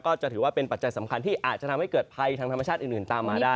ก็จะถือว่าเป็นปัจจัยสำคัญที่อาจจะทำให้เกิดภัยทางธรรมชาติอื่นตามมาได้